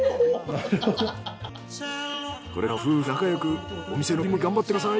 これからも夫婦仲良くお店の切り盛り頑張ってください。